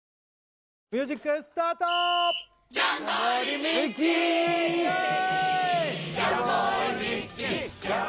ミュージックスタートイエーイ！